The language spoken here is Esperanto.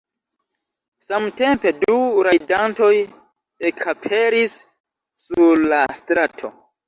Samtempe du rajdantoj ekaperis sur la strato.